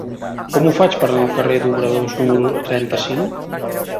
Com ho faig per anar al carrer d'Obradors número trenta-cinc?